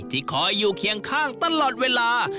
คอยอยู่เคียงข้างตลอดเวลา